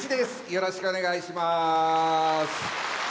よろしくお願いします。